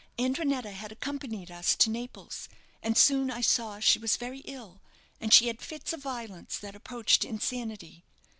Andrinetta had accompanied us to Naples; and soon I saw she was very ill, and she had fits of violence that approached insanity.